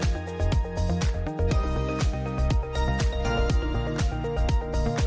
ไฟล์พิมพ์